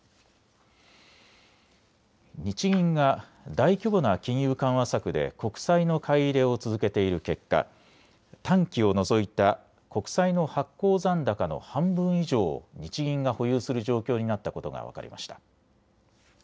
日銀が大規模な金融緩和策で国債の買い入れを続けている結果、短期を除いた国債の発行残高の半分以上を日銀が保有する状況になったことが分かりました。